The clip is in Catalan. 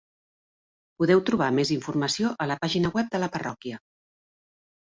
Podeu trobar més informació a la pàgina web de la parròquia.